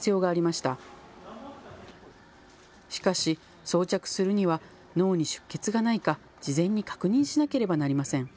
しかし装着するには脳に出血がないか事前に確認しなければなりません。